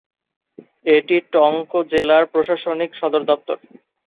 এটি টঙ্ক জেলার প্রশাসনিক সদরদপ্তর।